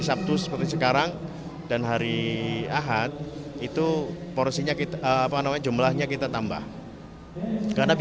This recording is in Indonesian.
sabtu seperti sekarang dan hari ahad itu porsinya kita apa namanya jumlahnya kita tambah karena